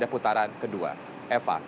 putaran kedua eva